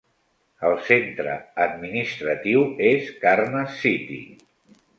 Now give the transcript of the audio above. El centre administratiu és Karnes City.